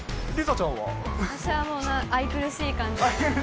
私は、愛くるしい感じが。